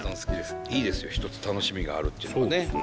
いいですよ一つ楽しみがあるっていうのはね。